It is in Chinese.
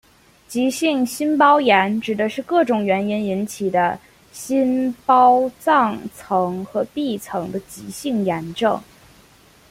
急性心包炎指的是各种原因引起的心包脏层和壁层的急性炎症。